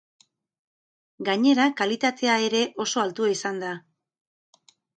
Gainera, kalitatea ere oso altua izan da.